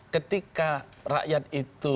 ketika rakyat itu